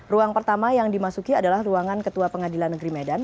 ruang pertama yang dimasuki adalah ruangan ketua pengadilan negeri medan